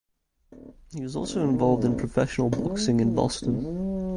He was also involved in professional boxing in Boston.